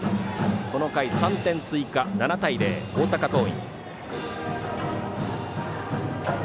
この回、３点追加、７対０。大阪桐蔭。